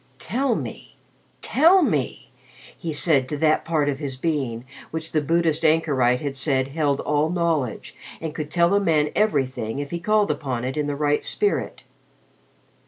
"Tell me! Tell me!" he said to that part of his being which the Buddhist anchorite had said held all knowledge and could tell a man everything if he called upon it in the right spirit.